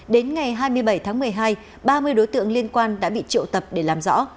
đến ngày hai mươi bảy tháng một mươi hai ba mươi đối tượng liên quan đã bị triệu tập để làm rõ